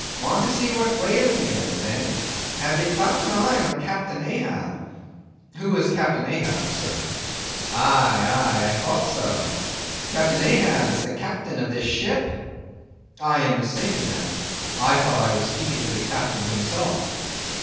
"Want to see what whaling is, eh? Have ye clapped eye on Captain Ahab?" "Who is Captain Ahab, sir?" "Aye, aye, I thought so. Captain Ahab is the Captain of this ship." "I am mistaken then. I thought I was speaking to the Captain himself."